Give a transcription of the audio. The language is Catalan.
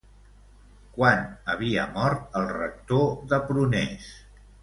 Quan havia mort el Rector de Prunés?